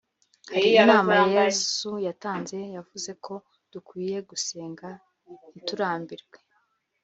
Hari inama Yesu yatanze yavuze ko dukwiye gusenga ntiturambirwe